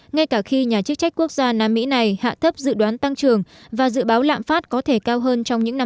ngay cả khi nhà chức trách quốc gia nam mỹ này hạ thấp dự đoán tăng trường và dự báo lạm phát có thể cao hơn trong những năm